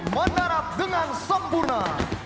menarap dengan sempurna